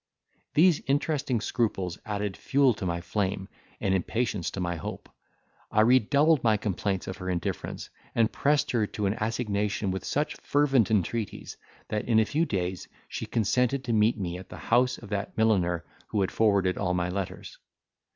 These interesting scruples added fuel to my flame and impatience to my hope; I redoubled my complaints of her indifference, and pressed her to an assignation with such fervent entreaties, that in a few days she consented to meet me at the house of that milliner who had forwarded all my letters.